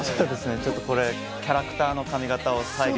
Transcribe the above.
ちょっとこれ、キャラクターの髪形を再現。